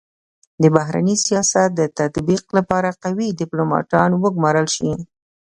د بهرني سیاست د تطبیق لپاره قوي ډيپلوماتان و ګمارل سي.